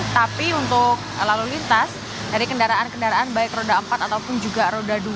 tapi untuk lalu lintas dari kendaraan kendaraan baik roda empat ataupun juga roda dua